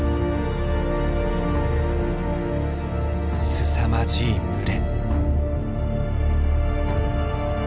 すさまじい群れ。